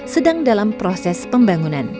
sedang dalam proses pembangunan